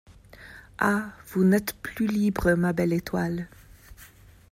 Ah ! vous n'êtes plus libre, ma belle étoile.